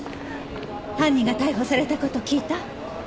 犯人が逮捕された事聞いた？